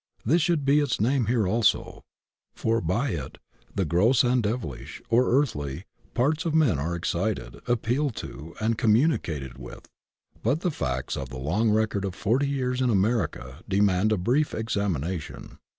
This should be its name here also, for by it the gross and devilish, or earthly, parts of men are excited, appealed to, and com municated with. But the facts of the long record of forty years in America demand a brief examination.